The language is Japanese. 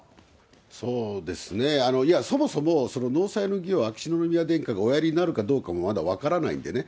そうですね、いや、そもそも、納采の儀を秋篠宮殿下がおやりになるかどうかもまだ分からないんでね。